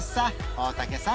大竹さん